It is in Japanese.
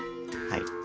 はい。